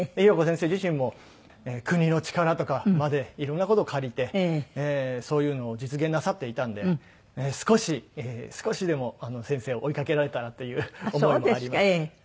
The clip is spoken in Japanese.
紘子先生自身も国の力とかまで色んな事を借りてそういうのを実現なさっていたんで少し少しでも先生を追いかけられたらっていう思いもあります。